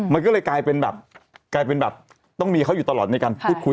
มันก็เลยกลายเป็นแบบกลายเป็นแบบต้องมีเขาอยู่ตลอดในการพูดคุย